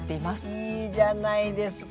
いいじゃないですか